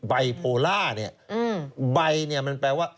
ไยโพล่าเนี่ยใบเนี่ยมันแปลว่า